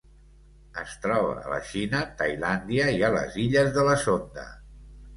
Es troba a la Xina, Tailàndia i les Illes de la Sonda.